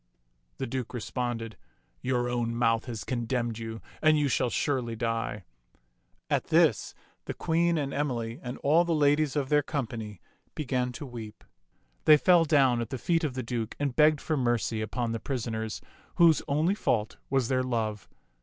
The Duke responded, " Your own mouth has con demned you, and you shall surely die." At this the Queen and Emily and all the ladies of their company began to weep. They fell down at the feet of the Duke and begged for mercy upon the pris oners, whose only fault was their love.